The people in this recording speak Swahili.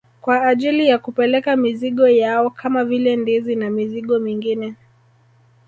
Kwa ajili ya kupeleka mizigo yao kama vile ndizi na mizigo mingine